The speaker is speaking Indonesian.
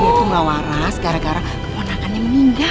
dia tuh gak waras gara gara keponakannya meninggal